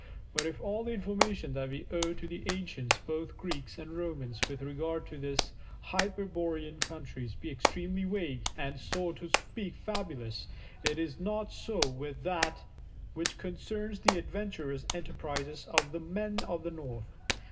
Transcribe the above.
But if all the information that we owe to the ancients, both Greeks and Romans, with regard to these hyperborean countries be extremely vague and so to speak fabulous, it is not so with that which concerns the adventurous enterprises of the "Men of the North."